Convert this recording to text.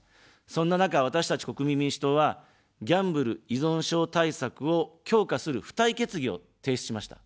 そんな中、私たち国民民主党は、ギャンブル依存症対策を強化する付帯決議を提出しました。